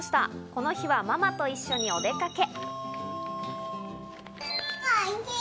この日はママと一緒にお出かけ。